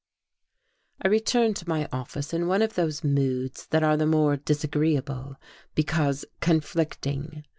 I returned to my office in one of those moods that are the more disagreeable because conflicting.